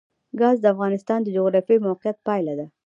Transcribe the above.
ګاز د افغانستان د جغرافیایي موقیعت پایله ده.